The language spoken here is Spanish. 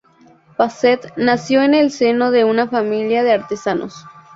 Basset nació en el seno de una familia de artesanos.